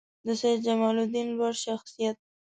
د سیدجمالدین لوړ شخصیت